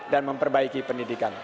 dan memperbaiki pendidikan